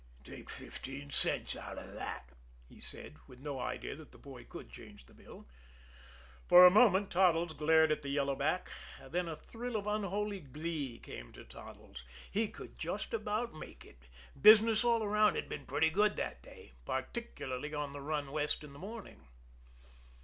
"Take fifteen cents out of that," he said, with no idea that the boy could change the bill. For a moment Toddles glared at the yellow back, then a thrill of unholy glee came to Toddles. He could just about make it, business all around had been pretty good that day, particularly on the run west in the morning.